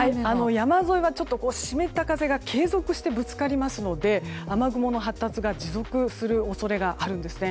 山沿いは湿った風が継続してぶつかりますので雨雲の発達が持続する恐れがあるんです。